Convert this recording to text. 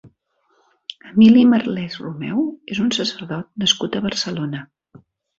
Emili Marlès Romeu és un sacerdot nascut a Barcelona.